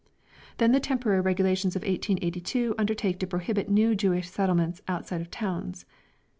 Then the temporary Regulations of 1882 undertake to prohibit new Jewish settlements outside of towns.